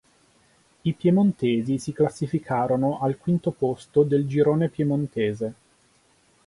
I piemontesi si classificarono al quinto posto del girone piemontese.